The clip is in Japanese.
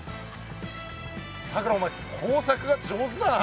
さくらお前工作が上手だな。